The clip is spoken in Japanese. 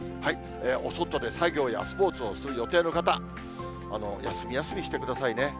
お外で作業やスポーツをする予定の方、休み休みしてくださいね。